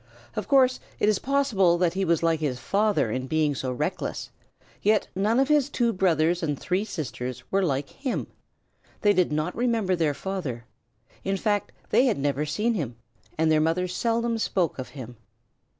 Of course it is possible that he was like his father in being so reckless, yet none of his two brothers and three sisters were like him. They did not remember their father. In fact, they had never seen him, and their mother seldom spoke of him.